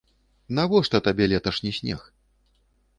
Навошта табе леташні снег?